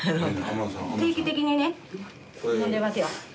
・定期的にね飲んでますよ。